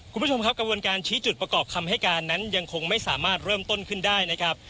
คุณผู้ชมครับกระบวนการชี้จุดประกอบคำให้การนั้นยังคงไม่สามารถเริ่มต้นขึ้นได้นะครับ